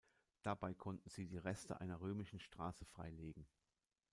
Dabei konnten sie die Reste einer römischen Straße freilegen.